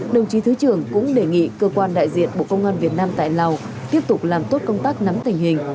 đồng chí thứ trưởng cũng đề nghị cơ quan đại diện bộ công an việt nam tại lào tiếp tục làm tốt công tác nắm tình hình